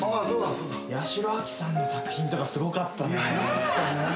八代亜紀さんの作品とかすごかったね。